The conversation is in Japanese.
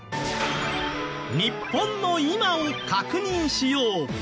日本の今を確認しよう。